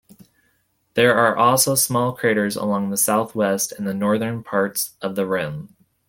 There are also small craters along the southwest and northern parts of the rim.